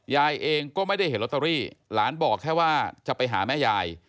ยายเองก็ไม่ได้เห็นลอตเตอรี่หลานบอกแค่ว่าจะไปหาแม่ยาย